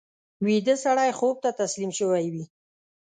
ویده سړی خوب ته تسلیم شوی وي